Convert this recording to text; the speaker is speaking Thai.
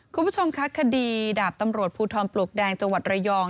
คุณผู้ชมคะคดีดาบตำรวจภูทรปลวกแดงจังหวัดระยอง